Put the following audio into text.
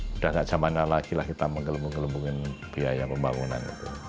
sudah nggak zaman yang lalagilah kita menggelembung gelembungin biaya pembangunan